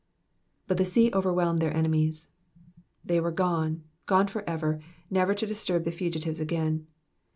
^^But the sea ovenchelm^d their enemies.'''' They were gone, gone for ever, never to disturb the fugitives again.